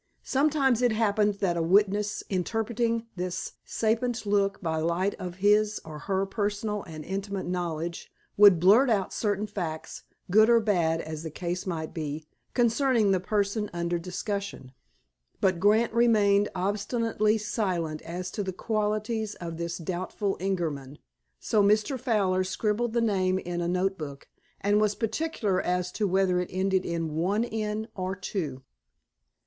Sometimes it happened that a witness, interpreting this sapient look by the light of his or her personal and intimate knowledge, would blurt out certain facts, good or bad as the case might be, concerning the person under discussion. But Grant remained obstinately silent as to the qualities of this doubtful Ingerman, so Mr. Fowler scribbled the name in a note book, and was particular as to whether it ended in one "n" or two.